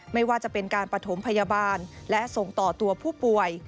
ไม่ว่าจะเป็นการปฐมพยาบาลและส่งต่อตัวผู้ป่วย